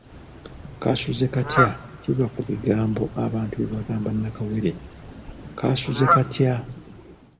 Kasuze katya kiva ku bigambo abantu bye bagamba nakawere; kaasuze katya?.